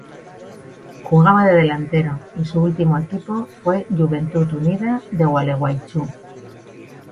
Jugaba de delantero y su último equipo fue Juventud Unida de Gualeguaychú.